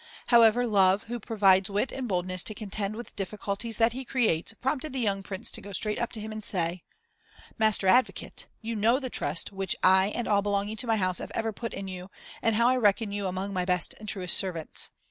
However Love, who provides wit and boldness to contend with the difficulties that he creates, prompted the young Prince to go straight up to him and say "Master advocate, you know the trust which I and all belonging to my house have ever put in you, and how I reckon you among my best and truest servants.